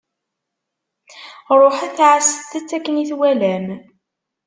Ṛuḥet, ɛasset-tt akken i twalam.